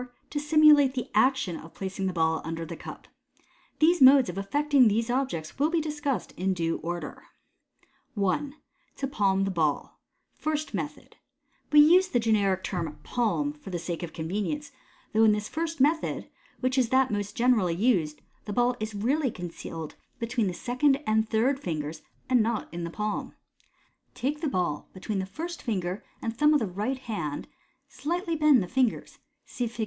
To simulate the action of placing the ball under the cup. The modes of effecting these objects will be discussed in due order. MODERN MAGIC. *73 First Method. — We use the generic though in this first convenience, Fig. 119. I. To Palm the Ball. terra "palm" for the sake of method, which is that most generally used, thij ball is really concealed betwe n the second and third ringers, an 1 not in the palm. Take the ball be tween the first finger and thumb of the right hand 5 slightly bend the fingers (see Fig.